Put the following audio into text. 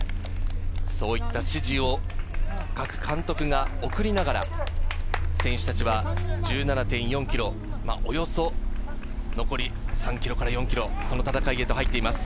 そういった指示を各監督が送りながら、選手たちは１７．４ｋｍ、およそ残り３ｋｍから４ｋｍ、その戦いへと入っています。